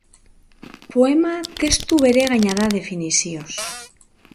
Poema testu beregaina da definizioz.